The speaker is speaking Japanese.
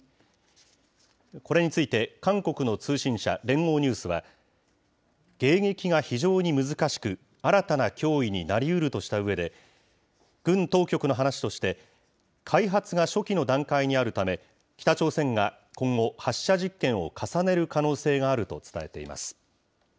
これについて、韓国の通信社、連合ニュースは、迎撃が非常に難しく、新たな脅威になりうるとしたうえで、軍当局の話として、開発が初期の段階にあるため、北朝鮮が今後、発射実験を重ねる可能性があると伝えています。